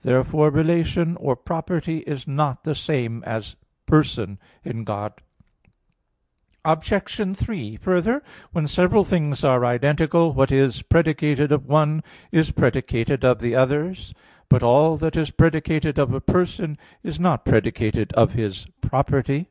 Therefore relation, or property, is not the same as person in God. Obj. 3: Further, when several things are identical, what is predicated of one is predicated of the others. But all that is predicated of a Person is not predicated of His property.